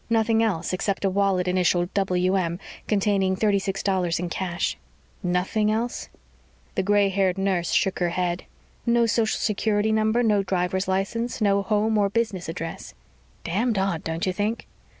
Nothing else except a wallet initialed W. M. containing thirty six dollars in cash." "Nothing else?" The gray haired nurse shook her head. "No social security number, no driver's license, no home or business address." "Damned odd, don't you think?"